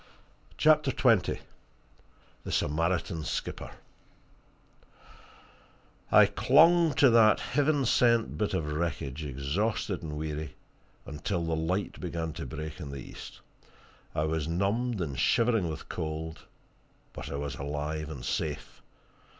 CHAPTER XX THE SAMARITAN SKIPPER I clung to that heaven sent bit of wreckage, exhausted and weary, until the light began to break in the east. I was numbed and shivering with cold but I was alive and safe.